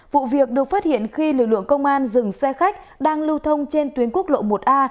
vụ việc được phát hiện khi lực lượng công an dừng xe khách đang lưu thông trên tuyến quốc lộ một a